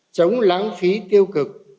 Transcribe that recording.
chống lãng phí tiêu cực